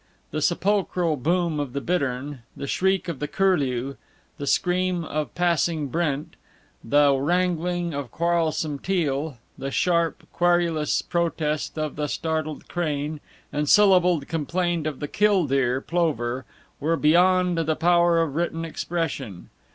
The sepulchral boom of the bittern, the shriek of the curlew, the scream of passing brent, the wrangling of quarrelsome teal, the sharp, querulous protest of the startled crane, and syllabled complaint of the "killdeer" plover, were beyond the power of written expression.